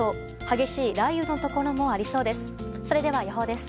激しい雷雨のところもありそうです。